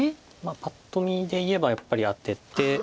パッと見で言えばやっぱりアテて。